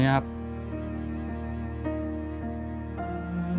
สวัสดีครับน้องเล่